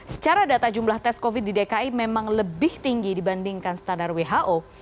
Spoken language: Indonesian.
secara data jumlah tes covid di dki memang lebih tinggi dibandingkan standar who